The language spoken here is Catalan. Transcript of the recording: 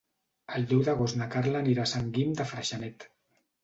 El deu d'agost na Carla anirà a Sant Guim de Freixenet.